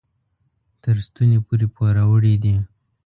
تر ستوني پورې پوروړي دي.